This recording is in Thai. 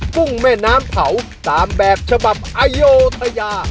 กุ้งแม่น้ำเผาตามแบบฉบับอโยธยา